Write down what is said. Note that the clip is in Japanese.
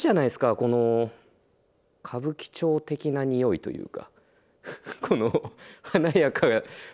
この歌舞伎町的なにおいというか。